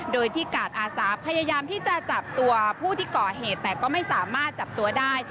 โดยที่กาดอาสาพยายามที่จะจับตัวผู้ที่ก่อเหตุแต่ก็ไม่สามารถจับตัวได้